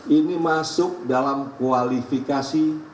ini masuk dalam kualifikasi